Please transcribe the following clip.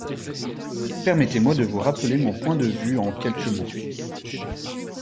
Permettez-moi de vous rappeler mon point de vue en quelques mots.